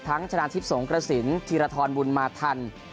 ทั้งชนะทิศสงฆ์กระสินธีรธรมุนมาทัน